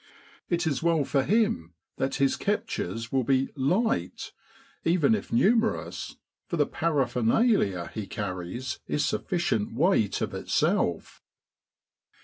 It is well for him that his captures will be light, even if numerous, for the paraphernalia he carries is sufficient weight of itself.